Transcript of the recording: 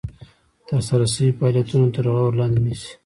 ترسره شوي فعالیتونه تر غور لاندې نیسي.